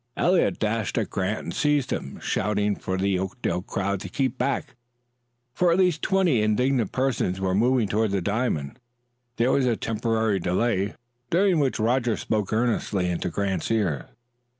Eliot dashed at Grant and seized him, shouting for the Oakdale crowd to keep back; for at least twenty indignant persons were moving toward the diamond. There was a temporary delay, during which Roger spoke earnestly into Grant's ear.